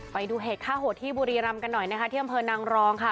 ไปดูเหตุฆ่าโหดที่บุรีรำกันหน่อยนะคะที่อำเภอนางรองค่ะ